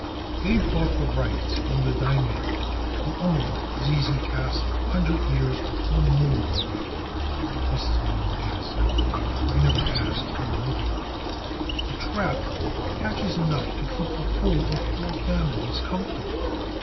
They bought the rights from the Daimio, who owned Zeze Castle a hundred years or more ago (this is my own guess at the date, for I never asked or noted it). The trap catches enough to keep the whole of four families comfortable.